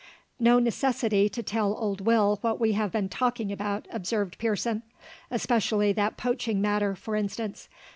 "No necessity to tell old Will what we have been talking about," observed Pearson; "especially that poaching matter, for instance.